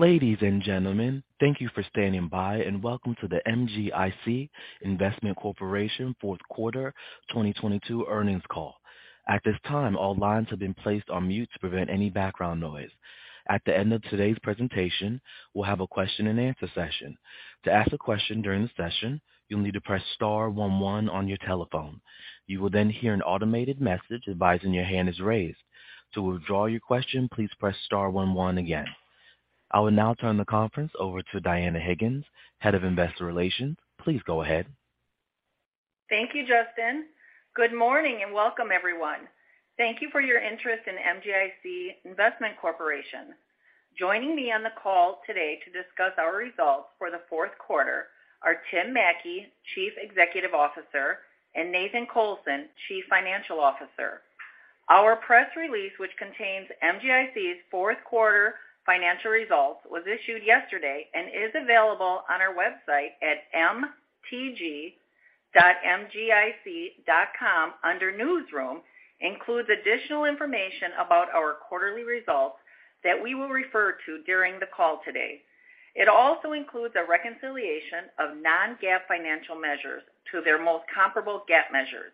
Ladies and Gentlemen, thank you for standing by, and Welcome to the MGIC Investment Corporation Fourth Quarter 2022 Earnings Call. At this time, all lines have been placed on mute to prevent any background noise. At the end of today's presentation, we'll have a question-and-answer session. To ask a question during the session, you'll need to press star one one on your telephone. You will then hear an automated message advising your hand is raised. To withdraw your question, please press star one one again. I will now turn the conference over to Dianna Higgins, Head of Investor Relations. Please go ahead. Thank you, Justin. Good morning, and welcome, everyone. Thank you for your interest in MGIC Investment Corporation. Joining me on the call today to discuss our results for the fourth quarter are Tim Mattke, Chief Executive Officer, and Nathan Colson, Chief Financial Officer. Our press release, which contains MGIC's fourth quarter financial results, was issued yesterday and is available on our website at mtg.mgic.com under Newsroom. Includes additional information about our quarterly results that we will refer to during the call today. It also includes a reconciliation of non-GAAP financial measures to their most comparable GAAP measures.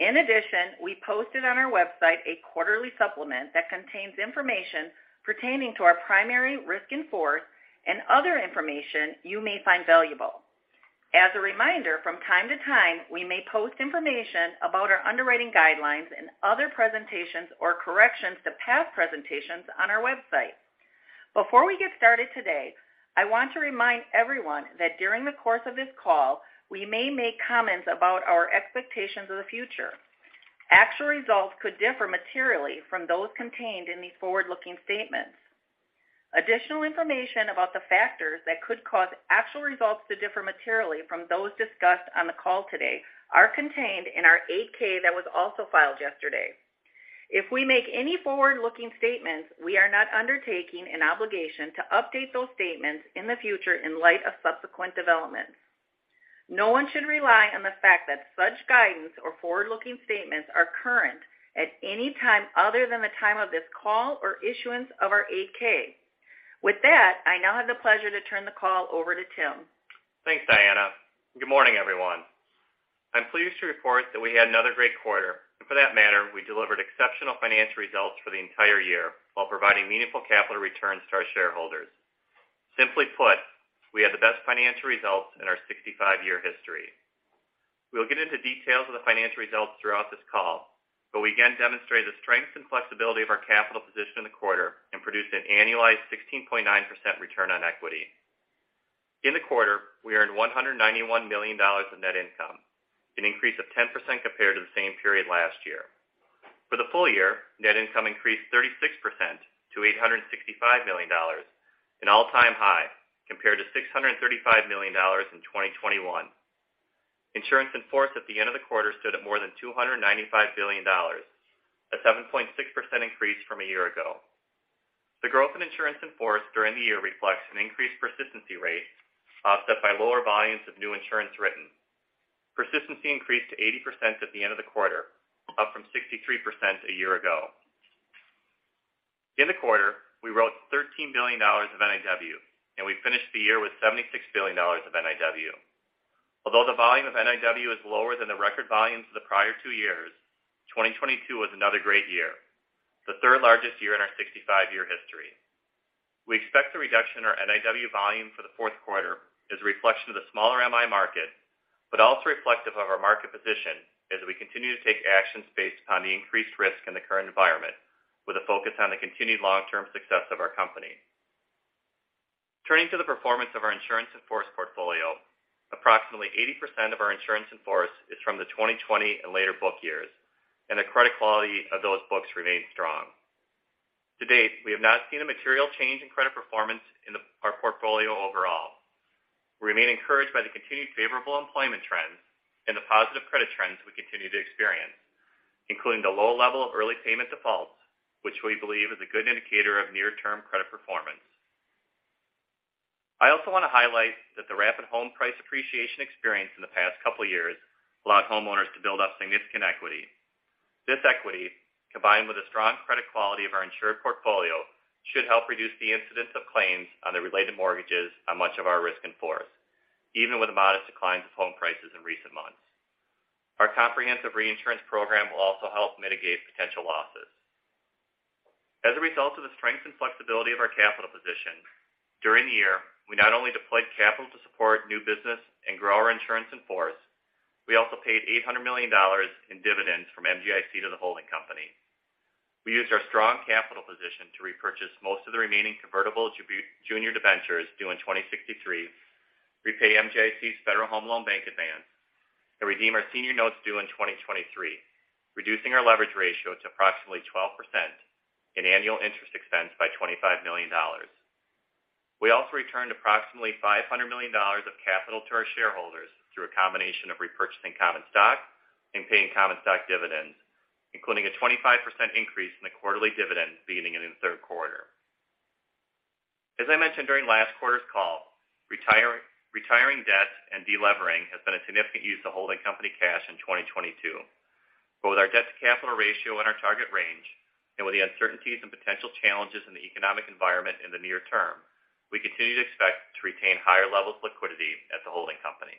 In addition, we posted on our website a quarterly supplement that contains information pertaining to our primary risk in force and other information you may find valuable. As a reminder, from time to time, we may post information about our underwriting guidelines in other presentations or corrections to past presentations on our website. Before we get started today, I want to remind everyone that during the course of this call, we may make comments about our expectations of the future. Actual results could differ materially from those contained in these forward-looking statements. Additional information about the factors that could cause actual results to differ materially from those discussed on the call today are contained in our 8-K that was also filed yesterday. If we make any forward-looking statements, we are not undertaking an obligation to update those statements in the future in light of subsequent developments. No one should rely on the fact that such guidance or forward-looking statements are current at any time other than the time of this call or issuance of our 8-K. With that, I now have the pleasure to turn the call over to Tim. Thanks, Dianna. Good morning, everyone. I'm pleased to report that we had another great quarter. For that matter, we delivered exceptional financial results for the entire year while providing meaningful capital returns to our shareholders. Simply put, we had the best financial results in our 65 year history. We'll get into details of the financial results throughout this call. We again demonstrate the strength and flexibility of our capital position in the quarter and produced an annualized 16.9% return on equity. In the quarter, we earned $191 million of net income, an increase of 10% compared to the same period last year. For the full year, net income increased 36% to $865 million, an all-time high, compared to $635 million in 2021. Insurance In Force at the end of the quarter stood at more than $295 billion, a 7.6% increase from a year ago. The growth in Insurance In Force during the year reflects an increased persistency rate offset by lower volumes of New Insurance Written. Persistency increased to 80% at the end of the quarter, up from 63% a year ago. In the quarter, we wrote $13 billion of NIW. We finished the year with $76 billion of NIW. Although the volume of NIW is lower than the record volumes of the prior two years, 2022 was another great year, the third largest year in our 65-year history. We expect the reduction in our NIW volume for the fourth quarter is a reflection of the smaller MI market, but also reflective of our market position as we continue to take actions based upon the increased risk in the current environment with a focus on the continued long-term success of our company. Turning to the performance of our Insurance In Force portfolio, approximately 80% of our Insurance In Force is from the 2020 and later book years, and the credit quality of those books remains strong. To date, we have not seen a material change in credit performance in our portfolio overall. We remain encouraged by the continued favorable employment trends and the positive credit trends we continue to experience, including the low level of early payment defaults, which we believe is a good indicator of near-term credit performance. I also want to highlight that the rapid home price appreciation experience in the past couple years allowed homeowners to build up significant equity. This equity, combined with the strong credit quality of our insured portfolio, should help reduce the incidence of claims on the related mortgages on much of our risk in force, even with modest declines of home prices in recent months. Our comprehensive reinsurance program will also help mitigate potential losses. As a result of the strength and flexibility of our capital position, during the year, we not only deployed capital to support new business and grow our Insurance In Force, we also paid $800 million in dividends from MGIC to the holding company. We used our strong capital position to repurchase most of the remaining convertible junior debentures due in 2063, repay MGIC's Federal Home Loan Bank advance, and redeem our senior notes due in 2023, reducing our leverage ratio to approximately 12% and annual interest expense by $25 million. We also returned approximately $500 million of capital to our shareholders through a combination of repurchasing common stock and paying common stock dividends, including a 25% increase in the quarterly dividend beginning in the third quarter. As I mentioned during last quarter's call, Reducing debt and delevering has been a significant use of holding company cash in 2022. With our debt to capital ratio in our target range and with the uncertainties and potential challenges in the economic environment in the near term, we continue to expect to retain higher levels of liquidity at the holding company.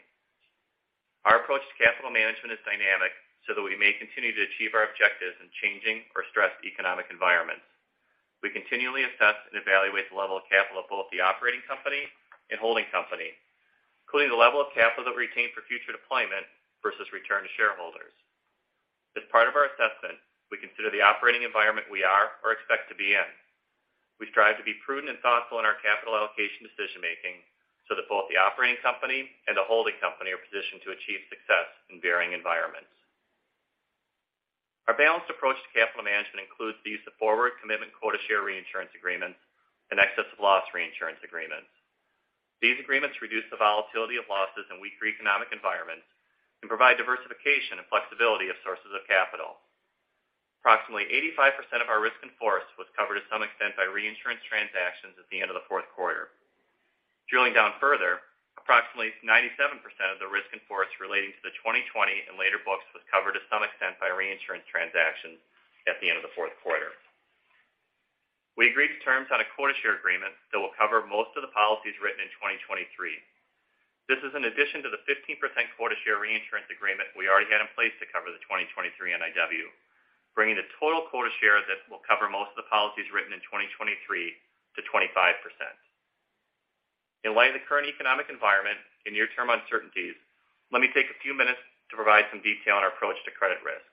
Our approach to capital management is dynamic so that we may continue to achieve our objectives in changing or stressed economic environments. We continually assess and evaluate the level of capital of both the operating company and holding company, including the level of capital that we retain for future deployment versus return to shareholders. As part of our assessment, we consider the operating environment we are or expect to be in. We strive to be prudent and thoughtful in our capital allocation decision-making so that both the operating company and the holding company are positioned to achieve success in varying environments. Our balanced approach to capital management includes the use of forward commitment Quota Share Reinsurance agreements in excess of loss reinsurance agreements. These agreements reduce the volatility of losses in weaker economic environments and provide diversification and flexibility of sources of capital. Approximately 85% of our risk in force was covered to some extent by reinsurance transactions at the end of the fourth quarter. Drilling down further, approximately 97% of the risk in force relating to the 2020 and later books was covered to some extent by reinsurance transactions at the end of the fourth quarter. We agreed to terms on a quota share agreement that will cover most of the policies written in 2023. This is an addition to the 15% Quota Share Reinsurance agreement we already had in place to cover the 2023 NIW, bringing the total quota share that will cover most of the policies written in 2023 to 25%. In light of the current economic environment and near-term uncertainties, let me take a few minutes to provide some detail on our approach to credit risk.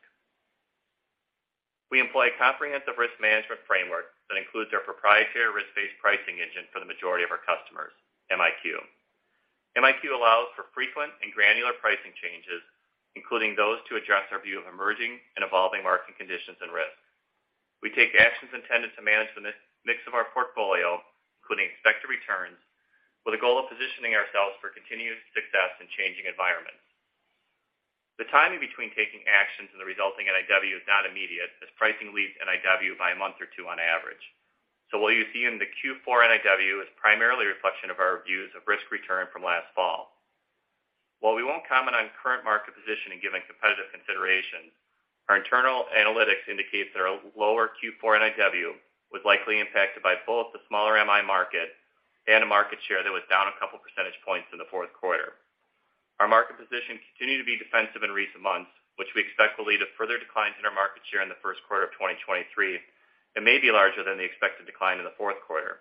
We employ a comprehensive risk management framework that includes our proprietary risk-based pricing engine for the majority of our customers, MiQ. MiQ allows for frequent and granular pricing changes, including those to address our view of emerging and evolving market conditions and risks. We take actions intended to manage the MI mix of our portfolio, including expected returns, with the goal of positioning ourselves for continued success in changing environments. The timing between taking actions and the resulting NIW is not immediate, as pricing leads NIW by a month or two on average. What you see in the Q4 NIW is primarily a reflection of our views of risk return from last fall. While we won't comment on current market position and given competitive consideration, our internal analytics indicates that our lower Q4 NIW was likely impacted by both the smaller MI market and a market share that was down 2 percentage points in the fourth quarter. Our market position continued to be defensive in recent months, which we expect will lead to further declines in our market share in the first quarter of 2023 and may be larger than the expected decline in the fourth quarter.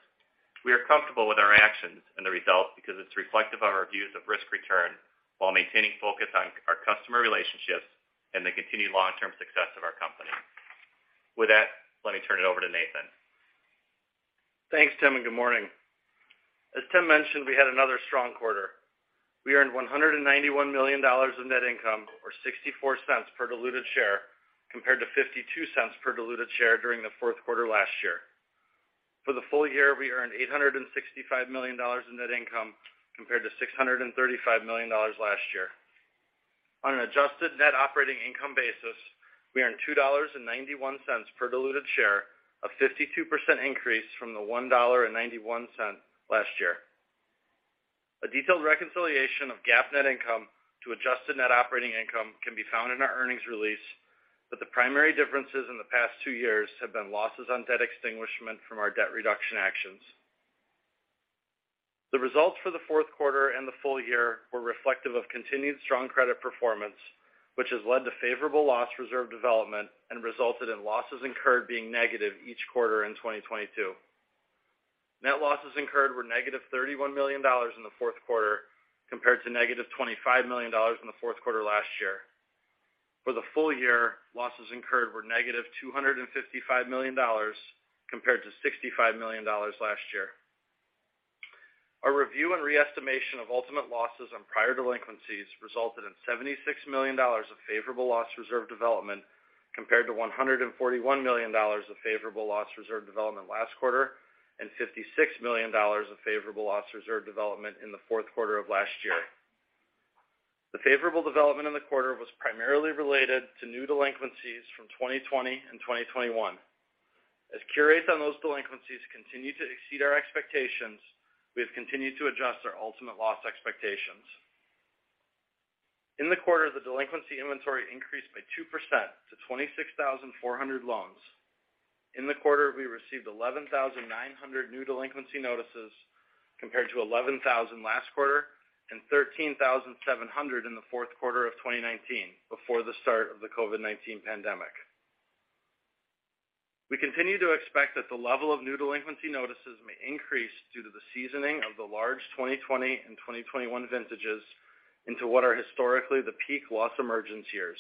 We are comfortable with our actions and the results because it's reflective of our views of risk return while maintaining focus on customer relationships and the continued long-term success of our company. With that, let me turn it over to Nathan. Thanks, Tim, and good morning. As Tim mentioned, we had another strong quarter. We earned $191 million in net income or $0.64 per diluted share, compared to $0.52 per diluted share during the fourth quarter last year. For the full year, we earned $865 million in net income, compared to $635 million last year. On an Adjusted Net Operating Income basis, we earned $2.91 per diluted share of 52% increase from the $1.91 last year. A detailed reconciliation of GAAP net income to Adjusted Net Operating Income can be found in our earnings release, but the primary differences in the past two years have been losses on Debt Extinguishment from our debt reduction actions. The results for the fourth quarter and the full year were reflective of continued strong credit performance, which has led to favorable loss reserve development and resulted in losses incurred being negative each quarter in 2022. Net losses incurred were -$31 million in the fourth quarter, compared to -$25 million in the fourth quarter last year. For the full year, losses incurred were -$255 million compared to $65 million last year. Our review and re-estimation of ultimate losses on prior delinquencies resulted in $76 million of favorable loss reserve development, compared to $141 million of favorable loss reserve development last quarter and $56 million of favorable loss reserve development in the fourth quarter of last year. The favorable development in the quarter was primarily related to new delinquencies from 2020 and 2021. As cures on those delinquencies continue to exceed our expectations, we have continued to adjust our ultimate loss expectations. In the quarter, the delinquency inventory increased by 2% to 26,400 loans. In the quarter, we received 11,900 new delinquency notices, compared to 11,000 last quarter and 13,700 in the fourth quarter of 2019 before the start of the COVID-19 pandemic. We continue to expect that the level of new delinquency notices may increase due to the seasoning of the large 2020 and 2021 vintages into what are historically the peak loss emergence years.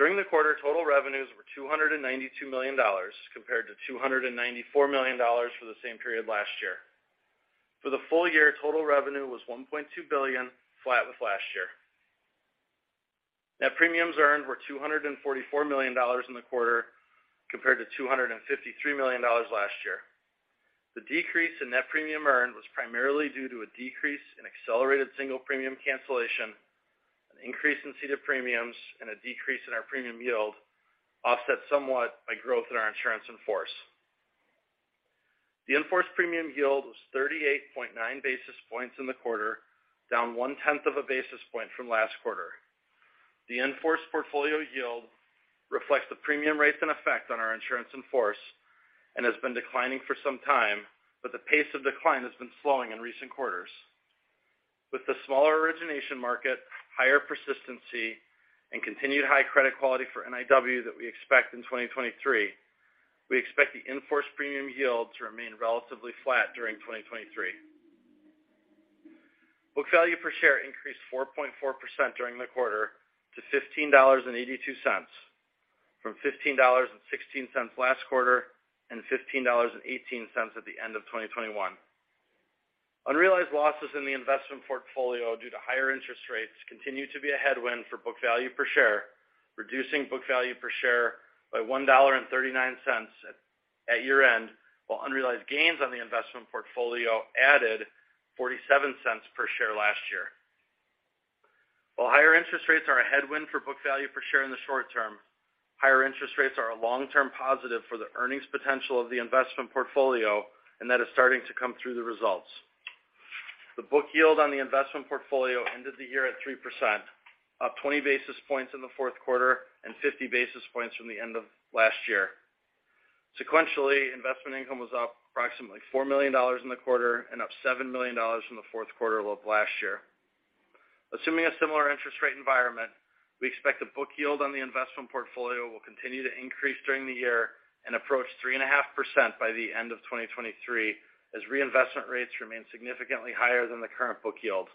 During the quarter, total revenues were $292 million, compared to $294 million for the same period last year. For the full year, total revenue was $1.2 billion, flat with last year. Net premiums earned were $244 million in the quarter, compared to $253 million last year. The decrease in net premium earned was primarily due to a decrease in accelerated single premium cancellation, an increase in Ceded Premiums and a decrease in our premium yield offset somewhat by growth in our Insurance In Force. The In-Force Premium Yield was 38.9 basis points in the quarter, down one-tenth of a basis point from last quarter. The in-force portfolio yield reflects the premium rates in effect on our Insurance In Force and has been declining for some time. The pace of decline has been slowing in recent quarters. With the smaller origination market, higher Persistency, and continued high credit quality for NIW that we expect in 2023, we expect the in-force premium yield to remain relatively flat during 2023. Book value per share increased 4.4% during the quarter to $15.82, from $15.16 last quarter and $15.18 at the end of 2021. Unrealized losses in the investment portfolio due to higher interest rates continue to be a headwind for book value per share, reducing book value per share by $1.39 at year-end, while unrealized gains on the investment portfolio added $0.47 per share last year. Higher interest rates are a headwind for book value per share in the short term, higher interest rates are a long-term positive for the earnings potential of the investment portfolio, and that is starting to come through the results. The book yield on the investment portfolio ended the year at 3%, up 20 basis points in the fourth quarter and 50 basis points from the end of last year. Sequentially, investment income was up approximately $4 million in the quarter and up $7 million from the fourth quarter of last year. Assuming a similar interest rate environment, we expect the book yield on the investment portfolio will continue to increase during the year and approach 3.5% by the end of 2023, as reinvestment rates remain significantly higher than the current book yield.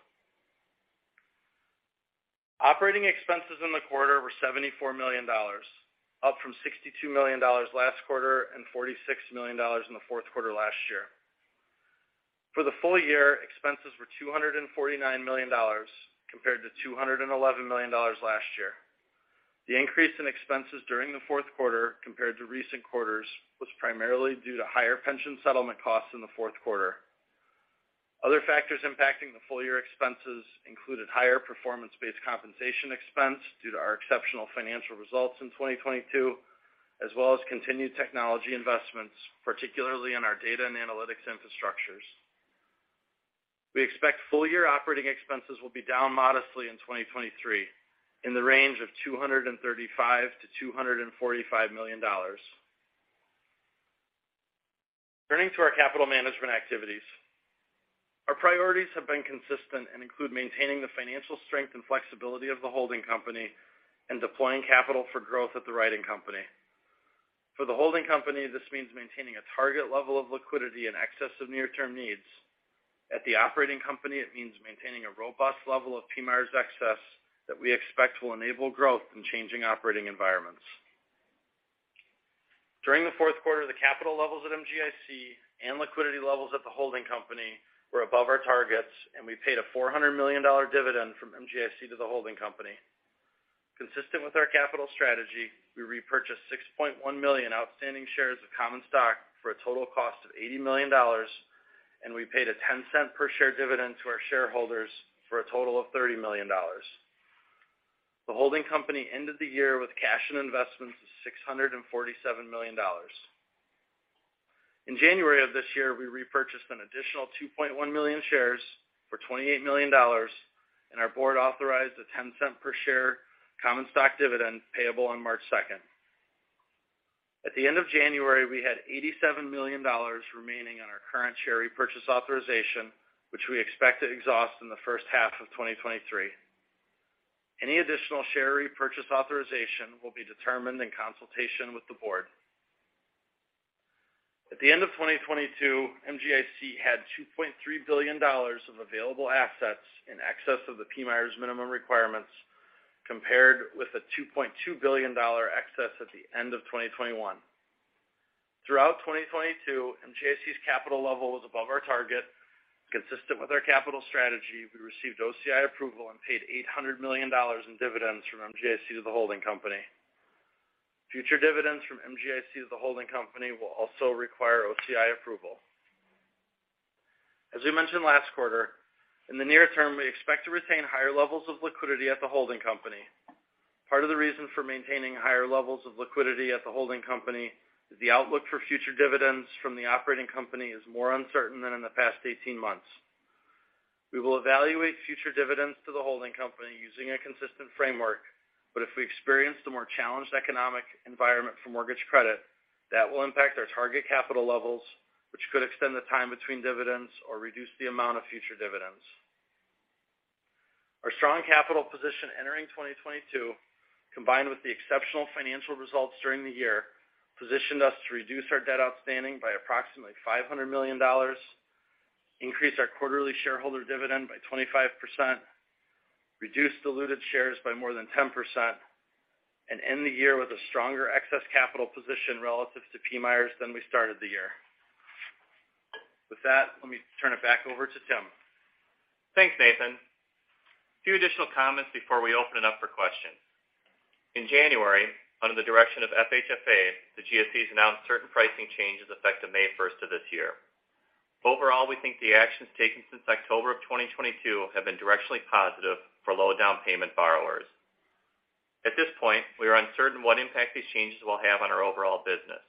Operating expenses in the quarter were $74 million, up from $62 million last quarter and $46 million in the fourth quarter last year. For the full year, expenses were $249 million compared to $211 million last year. The increase in expenses during the fourth quarter compared to recent quarters was primarily due to higher pension settlement costs in the fourth quarter. Other factors impacting the full year expenses included higher performance-based compensation expense due to our exceptional financial results in 2022, as well as continued technology investments, particularly in our data and analytics infrastructures. We expect full year operating expenses will be down modestly in 2023 in the range of $235 million-$245 million. Turning to our capital management activities. Our priorities have been consistent and include maintaining the financial strength and flexibility of the holding company and deploying capital for growth at the writing company. For the holding company, this means maintaining a target level of liquidity in excess of near-term needs. At the operating company, it means maintaining a robust level of PMIERs excess that we expect will enable growth in changing operating environments. During the fourth quarter, the capital levels at MGIC and liquidity levels at the holding company were above our targets, and we paid a $400 million dividend from MGIC to the holding company. Consistent with our capital strategy, we repurchased 6.1 million outstanding shares of common stock for a total cost of $80 million, and we paid a $0.10 per share dividend to our shareholders for a total of $30 million. The holding company ended the year with cash and investments of $647 million. In January of this year, we repurchased an additional 2.1 million shares for $28 million, and our board authorized a $0.10 per share common stock dividend payable on March 2nd. At the end of January, we had $87 million remaining on our current share repurchase authorization, which we expect to exhaust in the first half of 2023. Any additional share repurchase authorization will be determined in consultation with the board. At the end of 2022, MGIC had $2.3 billion of available assets in excess of the PMIERs minimum requirements, compared with a $2.2 billion dollar excess at the end of 2021. Throughout 2022, MGIC's capital level was above our target. Consistent with our capital strategy, we received OCI approval and paid $800 million in dividends from MGIC to the holding company. Future dividends from MGIC to the holding company will also require OCI approval. As we mentioned last quarter, in the near term, we expect to retain higher levels of liquidity at the holding company. Part of the reason for maintaining higher levels of liquidity at the holding company is the outlook for future dividends from the operating company is more uncertain than in the past 18 months. We will evaluate future dividends to the holding company using a consistent framework, but if we experience the more challenged economic environment for mortgage credit, that will impact our target capital levels, which could extend the time between dividends or reduce the amount of future dividends. Our strong capital position entering 2022, combined with the exceptional financial results during the year, positioned us to reduce our debt outstanding by approximately $500 million, increase our quarterly shareholder dividend by 25%, reduce diluted shares by more than 10%, and end the year with a stronger excess capital position relative to PMIERs than we started the year. With that, let me turn it back over to Tim. Thanks, Nathan. A few additional comments before we open it up for questions. In January, under the direction of FHFA, the GSEs announced certain pricing changes effective May 1st of this year. Overall, we think the actions taken since October of 2022 have been directionally positive for low down payment borrowers. At this point, we are uncertain what impact these changes will have on our overall business.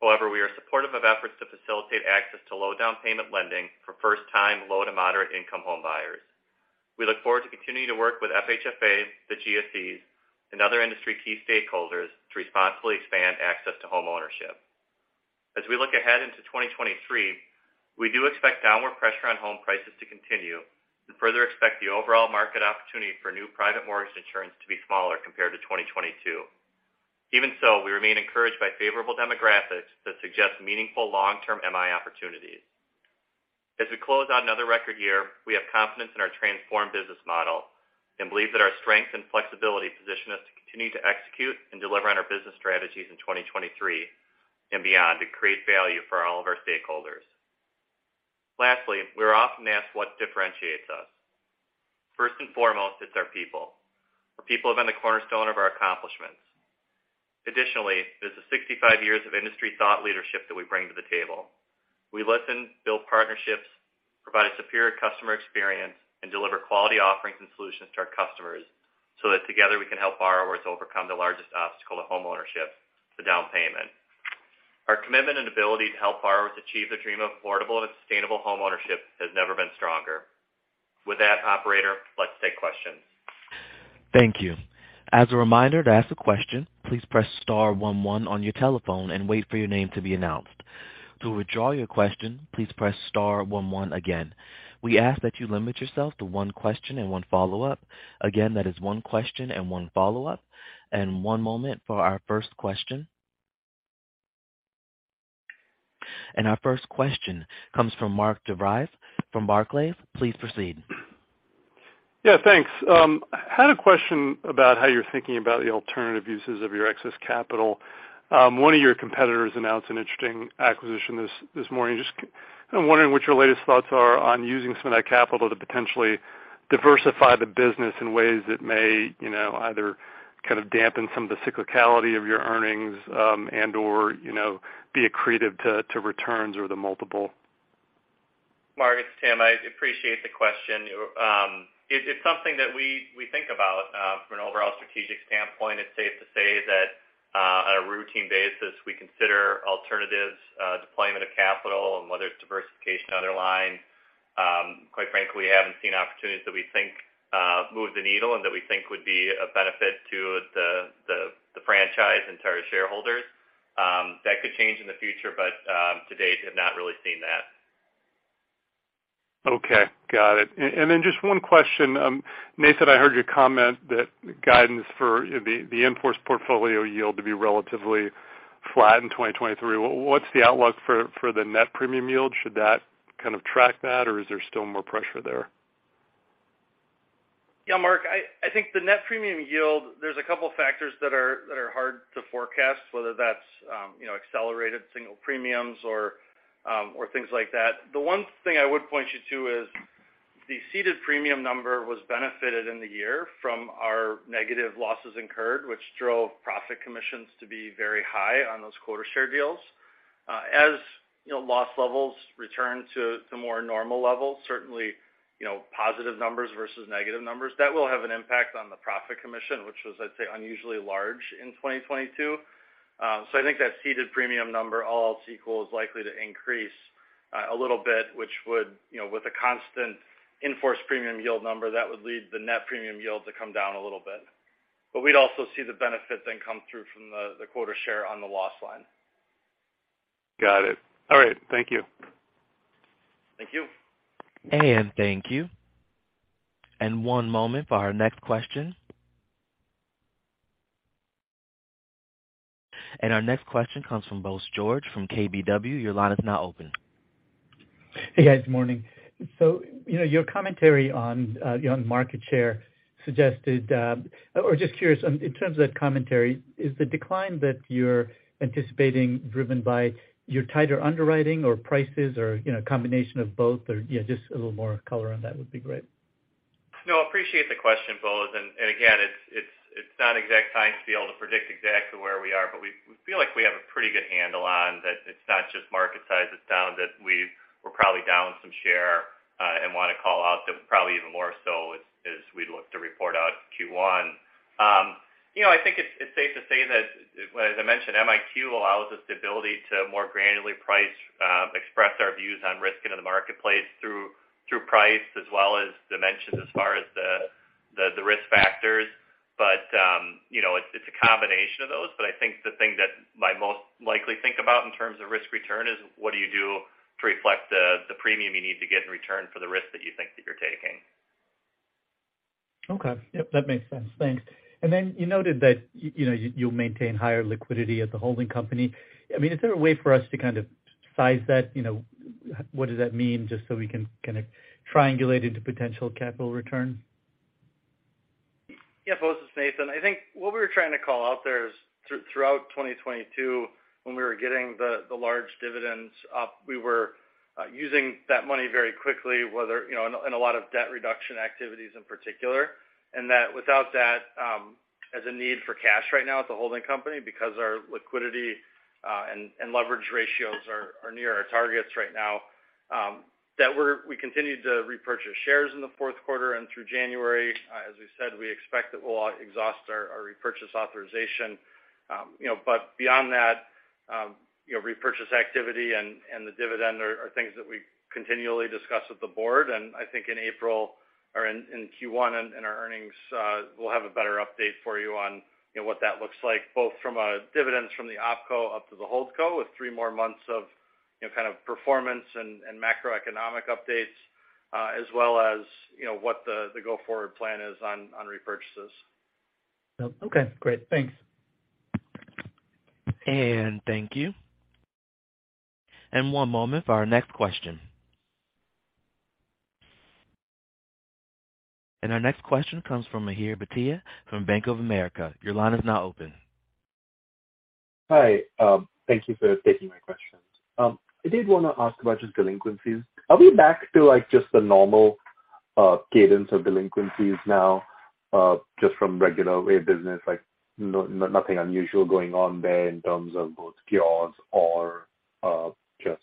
We are supportive of efforts to facilitate access to low down payment lending for first-time low to moderate income home buyers. We look forward to continuing to work with FHFA, the GSEs, and other industry key stakeholders to responsibly expand access to homeownership. We look ahead into 2023, we do expect downward pressure on home prices to continue and further expect the overall market opportunity for new private mortgage insurance to be smaller compared to 2022. Even so, we remain encouraged by favorable demographics that suggest meaningful long-term MI opportunities. As we close out another record year, we have confidence in our transformed business model and believe that our strength and flexibility position us to continue to execute and deliver on our business strategies in 2023 and beyond to create value for all of our stakeholders. Lastly, we're often asked what differentiates us. First and foremost, it's our people. Our people have been the cornerstone of our accomplishments. Additionally, there's the 65 years of industry thought leadership that we bring to the table. We listen, build partnerships, provide a superior customer experience, and deliver quality offerings and solutions to our customers so that together we can help borrowers overcome the largest obstacle to homeownership, the down payment. Our commitment and ability to help borrowers achieve the dream of affordable and sustainable homeownership has never been stronger. With that, operator, let's take questions. Thank you. As a reminder, to ask a question, please press star one one on your telephone and wait for your name to be announced. To withdraw your question, please press star one one again. We ask that you limit yourself to one question and one follow-up. Again, that is one question and one follow-up. one moment for our first question. Our first question comes from Mark DeVries from Barclays. Please proceed. Thanks. I had a question about how you're thinking about the alternative uses of your excess capital. One of your competitors announced an interesting acquisition this morning. Just kind of wondering what your latest thoughts are on using some of that capital to potentially diversify the business in ways that may, you know, either kind of dampen some of the cyclicality of your earnings, and or, you know, be accretive to returns or the multiple. Mark, it's Tim. I appreciate the question. It's something that we think about from an overall strategic standpoint. It's safe to say that on a routine basis we consider alternatives, deployment of capital, and whether it's diversification underlying. Quite frankly, we haven't seen opportunities that we think move the needle and that we think would be of benefit to the franchise and to our shareholders. That could change in the future, but to date have not really seen that. Okay. Got it. And then just one question. Nathan, I heard your comment that guidance for, you know, the enforced portfolio yield to be relatively flat in 2023. What's the outlook for the Net Premium Yield? Should that kind of track that, or is there still more pressure there? Mark, I think the Net Premium Yield, there's a couple factors that are hard to forecast, whether that's, you know, accelerated single premiums or things like that. The one thing I would point you to is the Ceded Premium number was benefited in the year from our negative losses incurred, which drove profit commissions to be very high on those quota share deals. As, you know, loss levels return to more normal levels, certainly, you know, positive numbers versus negative numbers, that will have an impact on the profit commission, which was, I'd say, unusually large in 2022. I think that Ceded Premium number, all else equal, is likely to increase a little bit, which would, you know, with a constant in-forced premium yield number, that would lead the Net Premium Yield to come down a little bit. We'd also see the benefit then come through from the quota share on the loss line. Got it. All right. Thank you. Thank you. Thank you. One moment for our next question. Our next question comes from Bose George from KBW. Your line is now open. Hey, guys. Morning. You know, your commentary on market share suggested. Just curious on, in terms of that commentary, is the decline that you're anticipating driven by your tighter underwriting or prices or, you know, a combination of both? Yeah, just a little more color on that would be great. No, appreciate the question, Bose. Again, it's not exact science to be able to predict exactly where we are, but we feel like we have a pretty good handle on that it's not just market size, it's down that we're probably down some share, and wanna call out that probably even more so as we look to report out Q1. You know, I think it's safe to say that, as I mentioned, MiQ allows us the ability to more granularly price, express our views on risk into the marketplace through price as well as dimensions as far as the risk factors. You know, it's a combination of those. I think the thing that I most likely think about in terms of risk return is what do you do to reflect the premium you need to get in return for the risk that you think that you're taking. Okay. Yep, that makes sense. Thanks. You noted that you know, you'll maintain higher liquidity at the holding company. I mean, is there a way for us to kind of size that? You know, what does that mean, just so we can kind of triangulate into potential capital return? Yeah, Bose, it's Nathan. I think what we were trying to call out there is throughout 2022 when we were getting the large dividends up, we were using that money very quickly, whether, you know, in a lot of debt reduction activities in particular, without that, as a need for cash right now at the holding company because our liquidity and leverage ratios are near our targets right now. That we continued to repurchase shares in the fourth quarter and through January. As we said, we expect that we'll exhaust our repurchase authorization. You know, but beyond that, you know, repurchase activity and the dividend are things that we continually discuss with the board. I think in April or in Q1 in our earnings, we'll have a better update for you on, you know, what that looks like, both from a dividends from the OpCo up to the HoldCo with three more months of, you know, kind of performance and macroeconomic updates, as well as, you know, what the go-forward plan is on repurchases. Okay, great. Thanks. Thank you. One moment for our next question. Our next question comes from Mihir Bhatia from Bank of America. Your line is now open. Hi. Thank you for taking my questions. I did wanna ask about just delinquencies. Are we back to, like, just the normal cadence of delinquencies now, just from regular way of business? Like nothing unusual going on there in terms of both cures or just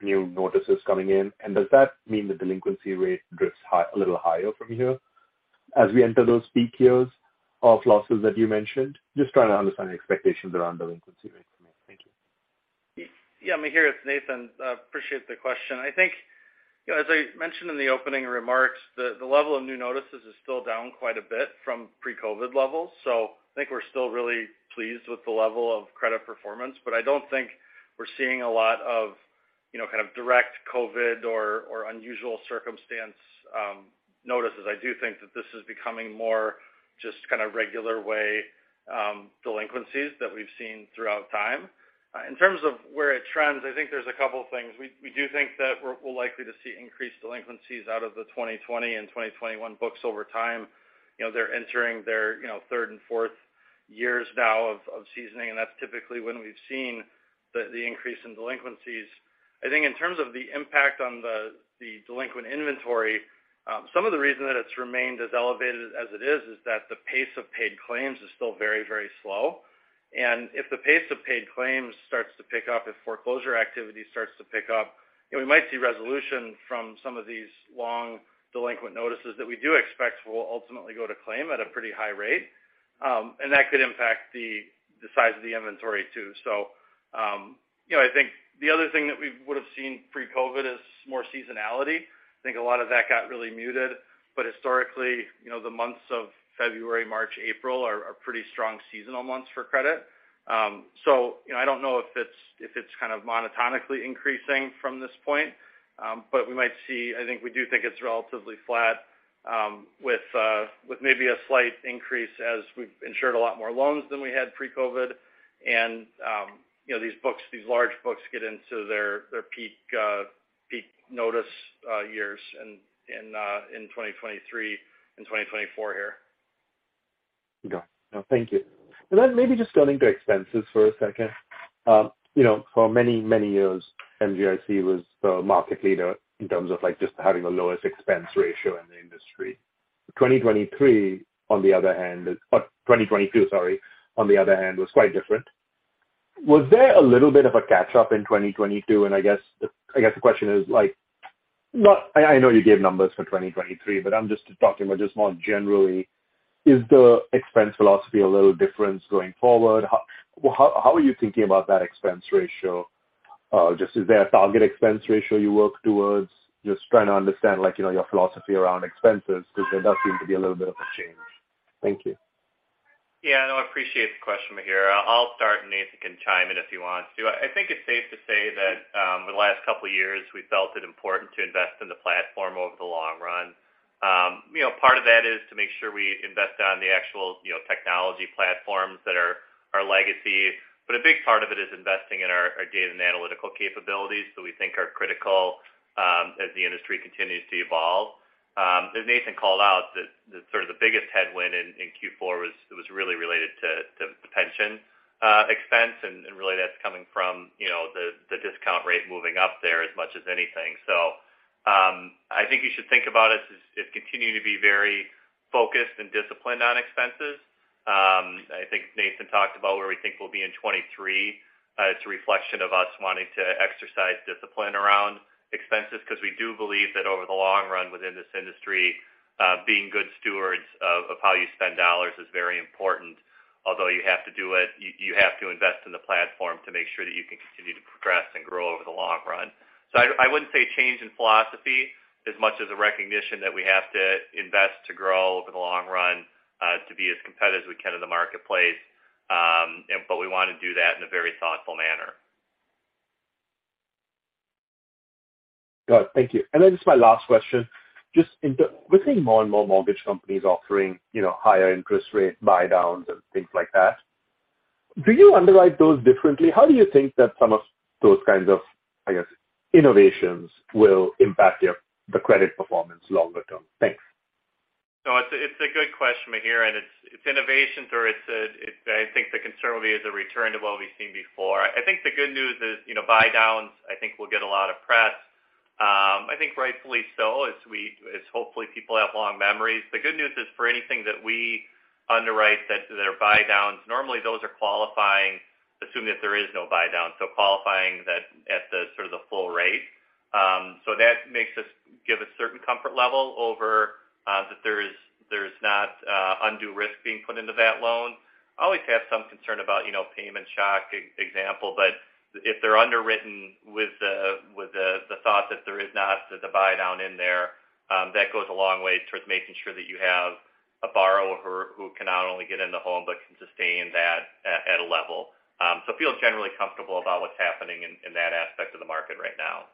new notices coming in. Does that mean the delinquency rate drifts a little higher from here as we enter those peak years of losses that you mentioned? Just trying to understand your expectations around delinquency rates. Thank you. Yeah, Mihir, it's Nathan appreciate the question. I think, you know, as I mentioned in the opening remarks, the level of new notices is still down quite a bit from pre-COVID levels. I think we're still really pleased with the level of credit performance, but I don't think we're seeing a lot of, you know, kind of direct COVID or unusual circumstance, notices. I do think that this is becoming more just kinda regular way, delinquencies that we've seen throughout time. In terms of where it trends, I think there's a couple things. We do think that we're likely to see increased delinquencies out of the 2020 and 2021 books over time. You know, they're entering their, you know, third and fourth years now of seasoning, and that's typically when we've seen the increase in delinquencies. I think in terms of the impact on the delinquent inventory, some of the reason that it's remained as elevated as it is that the pace of paid claims is still very, very slow. If the pace of paid claims starts to pick up, if foreclosure activity starts to pick up, you know, we might see resolution from some of these long delinquent notices that we do expect will ultimately go to claim at a pretty high rate. That could impact the size of the inventory too. You know, I think the other thing that we would've seen pre-COVID is more seasonality. I think a lot of that got really muted. Historically, you know, the months of February, March, April are pretty strong seasonal months for credit. You know, I don't know if it's, if it's kind of monotonically increasing from this point. I think we do think it's relatively flat, with maybe a slight increase as we've insured a lot more loans than we had pre-COVID-19. You know, these books, these large books get into their peak notice, years in 2023 and 2024 here. Got it. No, thank you. Then maybe just turning to expenses for a second. you know, for many, many years, MGIC was the market leader in terms of, like, just having the lowest expense ratio in the industry. 2023, on the other hand, 2022, sorry, on the other hand, was quite different. Was there a little bit of a catch-up in 2022? I guess the question is, like, not I know you gave numbers for 2023, but I'm just talking about just more generally, is the expense philosophy a little different going forward? How, how are you thinking about that expense ratio? just is there a target expense ratio you work towards? Just trying to understand, like, you know, your philosophy around expenses because there does seem to be a little bit of a change. Thank you. Yeah, no, I appreciate the question, Mihir. I'll start, and Nathan can chime in if he wants to. I think it's safe to say that, over the last couple years we felt it important to invest in the platform over the long run. You know, part of that is to make sure we invest on the actual, you know, technology platforms that are our legacy. A big part of it is investing in our data and analytical capabilities that we think are critical, as the industry continues to evolve. As Nathan called out, the sort of the biggest headwind in Q4 was really related to the pension expense, and really that's coming from, you know, the discount rate moving up there as much as anything. I think you should think about us as continuing to be very focused and disciplined on expenses. I think Nathan talked about where we think we'll be in 23. It's a reflection of us wanting to exercise discipline around expenses because we do believe that over the long run within this industry, being good stewards of how you spend dollars is very important. Although you have to do it, you have to invest in the platform to make sure that you can continue to progress and grow over the long run. I wouldn't say change in philosophy as much as a recognition that we have to invest to grow over the long run, to be as competitive as we can in the marketplace. You know, we wanna do that in a very thoughtful manner. Got it. Thank you. Then just my last question. We're seeing more and more mortgage companies offering, you know, higher interest rate buydowns and things like that. Do you underwrite those differently? How do you think that some of those kinds of, I guess, innovations will impact the credit performance longer term? Thanks. It's a good question, Mihir, and innovation or I think the concern will be is a return to what we've seen before. I think the good news is, you know, buydowns I think will get a lot of press. I think rightfully so, as hopefully people have long memories. The good news is for anything that we underwrite that there are buydowns, normally those are qualifying assuming that there is no buydown. Qualifying that at the sort of the full rate. That makes us give a certain comfort level over that there is, there's not undue risk being put into that loan. I always have some concern about, you know, payment shock example. If they're underwritten with the thought that there is not the buy down in there, that goes a long way towards making sure that you have a borrower who can not only get in the home, but can sustain that at a level. It feels generally comfortable about what's happening in that aspect of the market right now.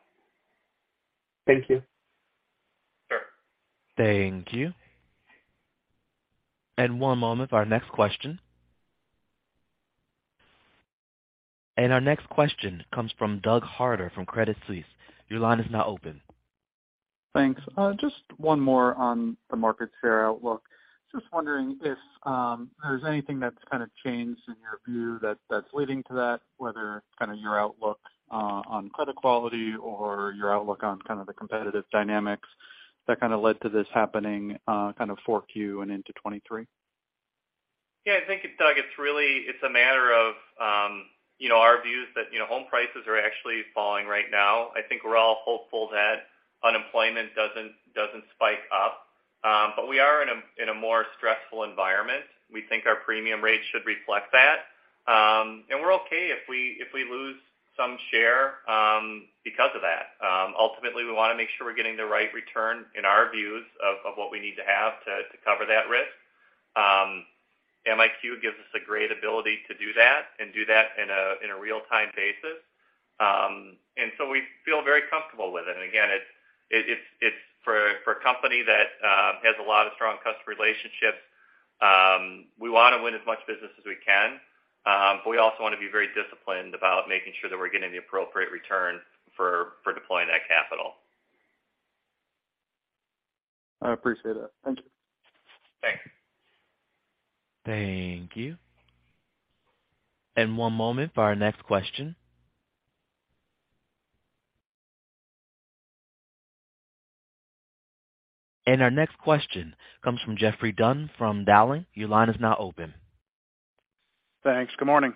Thank you. Sure. Thank you. One moment for our next question. Our next question comes from Doug Harter from Credit Suisse. Your line is now open. Thanks. Just one more on the market share outlook. Just wondering if there's anything that's kind of changed in your view that's leading to that, whether kind of your outlook on credit quality or your outlook on kind of the competitive dynamics that kind of led to this happening, kind of 4Q and into 23? Yeah. Thank you, Doug It's really, it's a matter of, you know, our views that, you know, home prices are actually falling right now. I think we're all hopeful that unemployment doesn't spike up. We are in a more stressful environment. We think our premium rates should reflect that. We're okay if we lose some share because of that. Ultimately, we wanna make sure we're getting the right return in our views of what we need to have to cover that risk. MiQ gives us a great ability to do that and do that in a real-time basis. We feel very comfortable with it. Again, it's for a company that has a lot of strong customer relationships, we wanna win as much business as we can. We also wanna be very disciplined about making sure that we're getting the appropriate return for deploying that capital. I appreciate it. Thank you. Thanks. Thank you. One moment for our next question. Our next question comes from Geoffrey Dunn from Dowling. Your line is now open. Thanks. Good morning.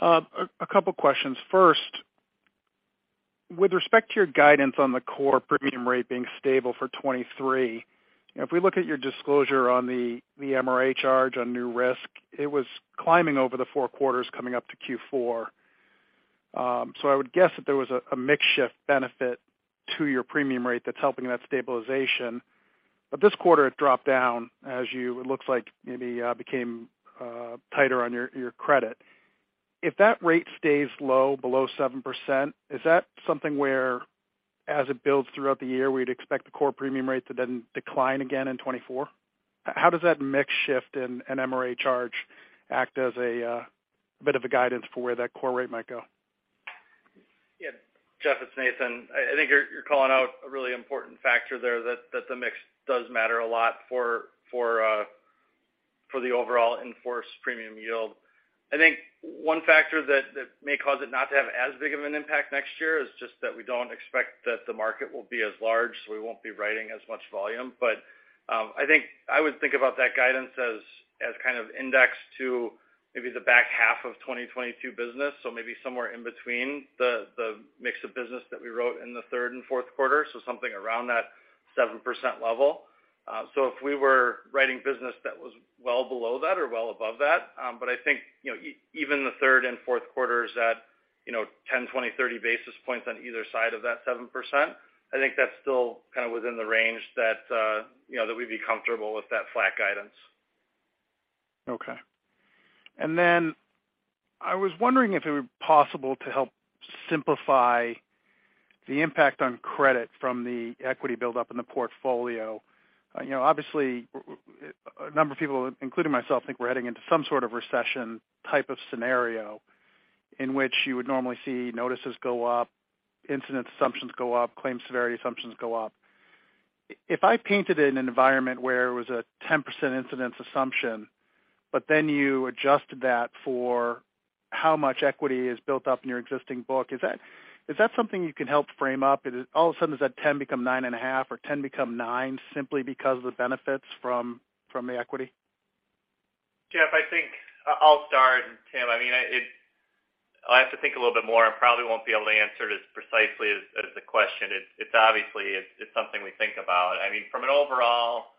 A couple questions. First, with respect to your guidance on the core premium rate being stable for 2023, if we look at your disclosure on the MRA charge on new risk, it was climbing over the 4 quarters coming up to Q4. I would guess that there was a mix shift benefit to your premium rate that's helping that stabilization. This quarter, it dropped down as you became tighter on your credit. If that rate stays low below 7%, is that something where as it builds throughout the year, we'd expect the core premium rate to then decline again in 2024? How does that mix shift in an MRA charge act as a bit of a guidance for where that core rate might go? Yeah. Jeff, it's Nathan I think you're calling out a really important factor there that the mix does matter a lot for the overall in-force premium yield. I think one factor that may cause it not to have as big of an impact next year is just that we don't expect that the market will be as large, so we won't be writing as much volume. I think I would think about that guidance as kind of indexed to maybe the back half of 2022 business. Maybe somewhere in between the mix of business that we wrote in the third and fourth quarter. Something around that 7% level. If we were writing business that was well below that or well above that, but I think, you know, even the third and fourth quarter is at, you know, 10, 20, 30 basis points on either side of that 7%. I think that's still kind of within the range that, you know, that we'd be comfortable with that flat guidance. I was wondering if it were possible to help simplify the impact on credit from the equity buildup in the portfolio. You know, obviously, a number of people, including myself, think we're heading into some sort of recession type of scenario in which you would normally see notices go up, incidence assumptions go up, claim severity assumptions go up. If I painted in an environment where it was a 10% incidence assumption, but then you adjusted that for how much equity is built up in your existing book, is that something you can help frame up? All of a sudden, does that 10 become 9.5 or 10 become 9 simply because of the benefits from the equity? Geoff, I think I'll start. Tim, I mean, I'll have to think a little bit more. I probably won't be able to answer it as precisely as the question. It's obviously it's something we think about. I mean, from an overall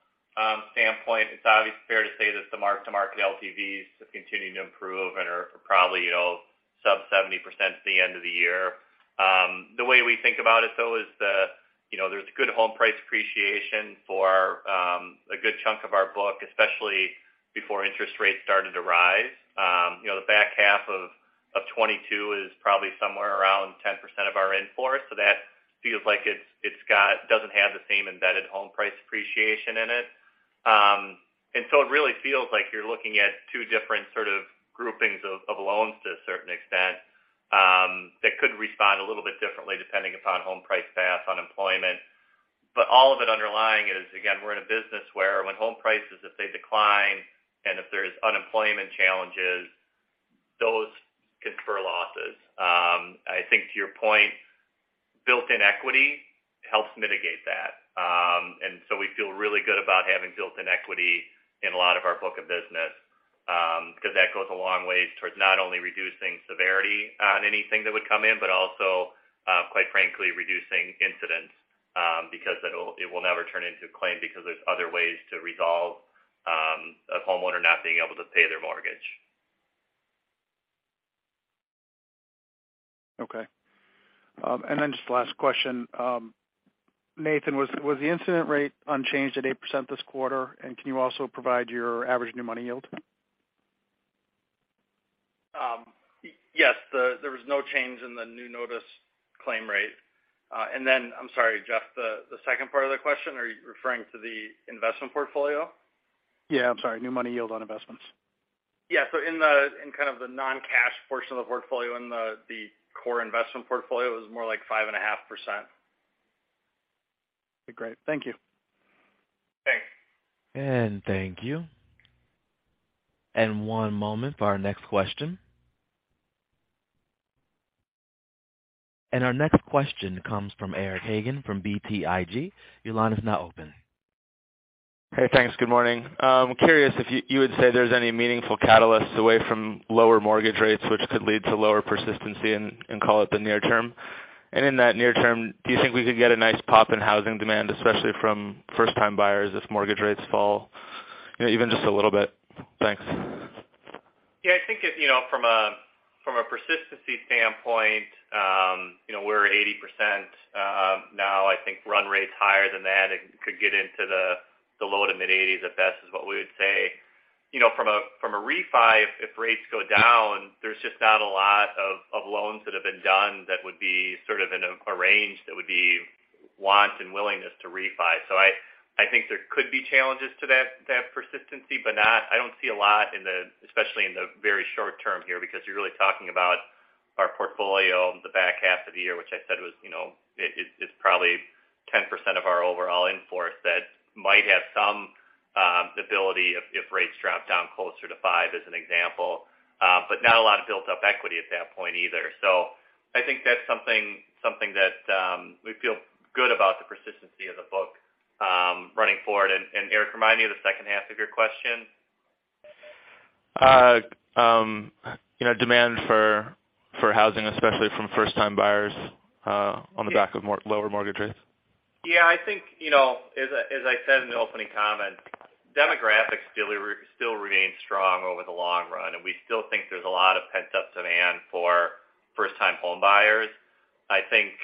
standpoint, it's obvious fair to say that the mark-to-market LTVs have continued to improve and are probably, you know, sub 70% to the end of the year. The way we think about it though is, you know, there's good home price appreciation for a good chunk of our book, especially before interest rates started to rise. You know, the back half of 2022 is probably somewhere around 10% of our in-force. That feels like it's doesn't have the same embedded home price appreciation in it. It really feels like you're looking at two different sort of groupings of loans to a certain extent. That could respond a little bit differently depending upon home price path, unemployment. All of it underlying is, again, we're in a business where when home prices, if they decline and if there's unemployment challenges, those can spur losses. I think to your point, built-in equity helps mitigate that. We feel really good about having built-in equity in a lot of our book of business, because that goes a long way towards not only reducing severity on anything that would come in, but also, quite frankly, reducing incidents, because it'll, it will never turn into a claim because there's other ways to resolve a homeowner not being able to pay their mortgage. Okay. just last question, Nathan, was the incident rate unchanged at 8% this quarter? Can you also provide your average new money yield? Yes, there was no change in the new notice claim rate. I'm sorry, Jeff, the second part of the question, are you referring to the investment portfolio? Yeah, I'm sorry, new money yield on investments. Yeah. In the, in kind of the non-cash portion of the portfolio, in the core investment portfolio, it was more like 5.5%. Great. Thank you. Thanks. Thank you. One moment for our next question. Our next question comes from Eric Hagen from BTIG. Your line is now open. Hey, thanks. Good morning. Curious if you would say there's any meaningful catalysts away from lower mortgage rates which could lead to lower Persistency in call it the near term? In that near term, do you think we could get a nice pop in housing demand, especially from first-time buyers, if mortgage rates fall, you know, even just a little bit? Thanks. Yeah, I think if, you know, from a Persistency standpoint, you know, we're 80%, now I think run rates higher than that and could get into the low to mid-80s at best is what we would say. You know, from a refi, if rates go down, there's just not a lot of loans that have been done that would be sort of in a range that would be want and willingness to refi. I think there could be challenges to that Persistency, but not... I don't see a lot in the, especially in the very short term here, because you're really talking about our portfolio the back half of the year, which I said was, you know, it's, it's probably 10% of our overall in-force that might have some ability if rates drop down closer to five, as an example. Not a lot of built up equity at that point either. I think that's something that we feel good about the Persistency of the book running forward. Eric, remind me of the second half of your question. you know, demand for housing, especially from first-time buyers, on the back of lower mortgage rates. Yeah, I think, you know as I, as I said in the opening comment, demographics still remain strong over the long run, and we still think there's a lot of pent-up demand for first-time home buyers. I think,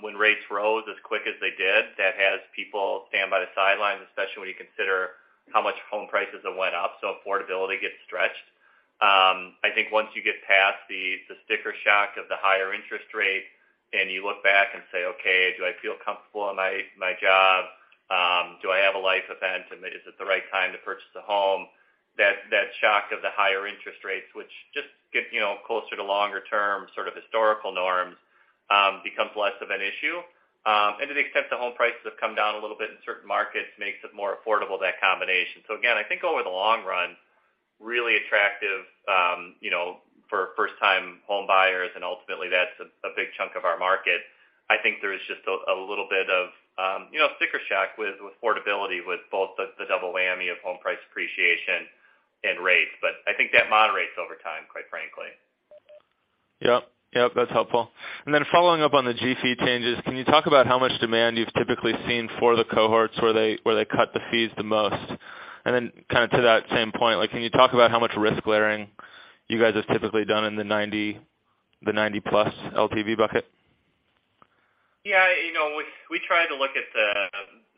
when rates rose as quick as they did, that has people stand by the sidelines, especially when you consider how much home prices have went up. Affordability gets stretched. I think once you get past the sticker shock of the higher interest rate and you look back and say, "Okay, do I feel comfortable in my job? Do I have a life event, and is it the right time to purchase a home?" That shock of the higher interest rates, which just get, you know, closer to longer term, sort of historical norms, becomes less of an issue. To the extent the home prices have come down a little bit in certain markets makes it more affordable, that combination. Again, I think over the long run, really attractive, you know, for first-time home buyers and ultimately that's a big chunk of our market. I think there is just a little bit of, you know, sticker shock with affordability, with both the double whammy of home price appreciation and rates. I think that moderates over time, quite frankly. Yep. Yep, that's helpful. Then following up on the GSE changes, can you talk about how much demand you've typically seen for the cohorts where they, where they cut the fees the most? Then kind of to that same point, like, can you talk about how much risk layering you guys have typically done in the 90, the 90-plus LTV bucket? Yeah. You know, we try to look at the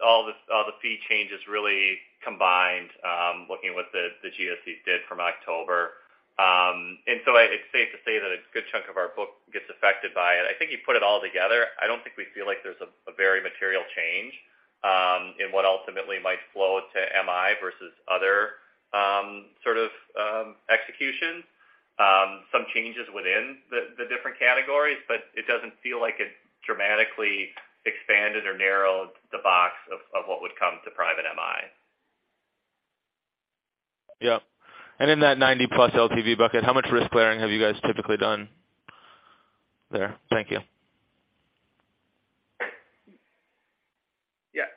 all the fee changes really combined, looking at what the GSEs did from October. It's safe to say that a good chunk of our book gets affected by it. I think you put it all together, I don't think we feel like there's a very material change in what ultimately might flow to MI versus other sort of executions. Some changes within the different categories, but it doesn't feel like it dramatically expanded or narrowed the box of what would come to private MI. Yep. In that 90-plus LTV bucket, how much risk layering have you guys typically done there? Thank you. Yeah.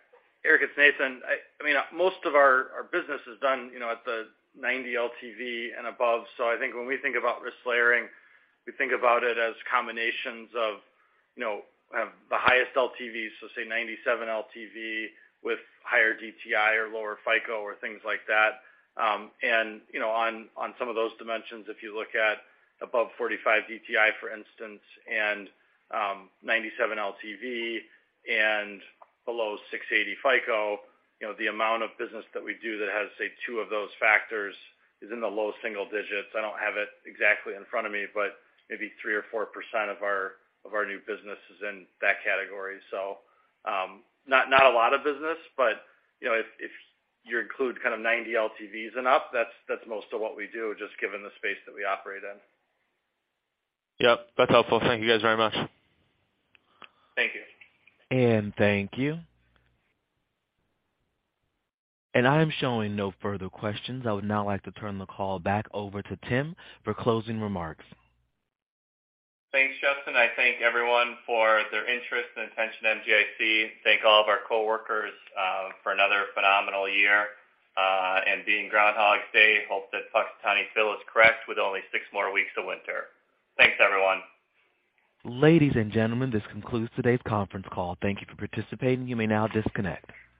Eric, it's Nathan. I mean, most of our business is done, you know, at the 90-LTV and above. I think when we think about risk layering, we think about it as combinations of, you know, the highest LTV, so say 97 LTV with higher DTI or lower FICO or things like that. And, you know, on some of those dimensions, if you look at above 45 DTI, for instance, and 97 LTV and below 680 FICO, you know, the amount of business that we do that has, say, 2 of those factors is in the low single digits. I don't have it exactly in front of me, but maybe 3% or 4% of our new business is in that category. Not a lot of business, but, you know, if you include kind of 90 LTVs and up, that's most of what we do, just given the space that we operate in. Yep, that's helpful. Thank you guys very much. Thank you. Thank you. I am showing no further questions. I would now like to turn the call back over to Tim for closing remarks. Thanks, Justin. I thank everyone for their interest and attention to MGIC. Thank all of our coworkers for another phenomenal year. Being Groundhog Day, hope that Punxsutawney Phil is correct with only six more weeks of winter. Thanks, everyone. Ladies and gentlemen, this concludes today's conference call. Thank you for participating. You may now disconnect.